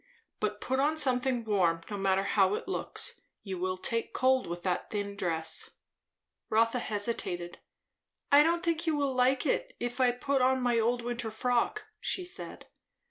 But put on something warm, no matter how it looks. You will take cold with that thin dress." Rotha hesitated. "I don't think you will like it, if I put on my old winter frock," she said.